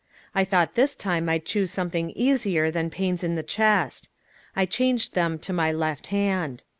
I thought this time I'd choose something easier than pains in the chest. I changed them to my left hand.